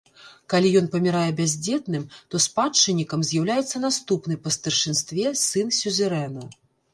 Калі ён памірае бяздзетным, то спадчыннікам з'яўляецца наступны па старшынстве сын сюзерэна.